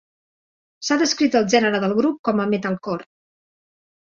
S'ha descrit el gènere del grup com a metalcore.